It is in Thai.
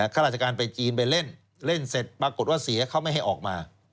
ข้าราชการไปจีนไปเล่นเล่นเสร็จปรากฏว่าเสียเขาไม่ให้ออกมา